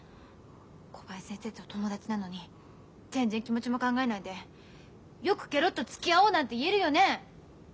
小林先生と友達なのに全然気持ちも考えないでよくケロッと「つきあおう」なんて言えるよね。